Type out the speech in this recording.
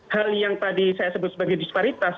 hal yang tadi saya sebut sebagai disparitas